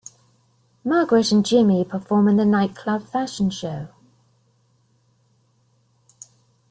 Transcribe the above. Margaret and Jimmy perform in the nightclub fashion show.